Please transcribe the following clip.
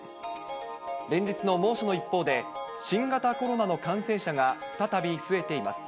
連日の猛暑の一方で、新型コロナの感染者が再び増えています。